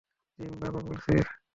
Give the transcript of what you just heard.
Gym, বাবা বলছি।